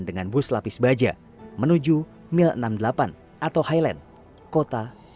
dengan bus lapis baja menuju mil enam puluh delapan atau highland kota